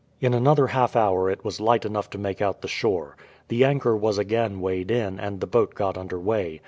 In another half hour it was light enough to make out the shore. The anchor was again weighed in and the boat got under way.